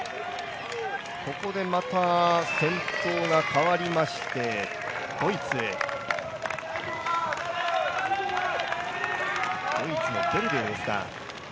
ここでまた先頭が代わりましてドイツのベルデイですか。